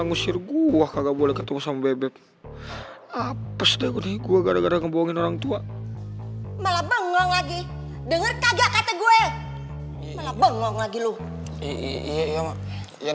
ngusir gua kagak boleh ketemu sama bebek nih gue gan amel' lagi dengar kagak keteguan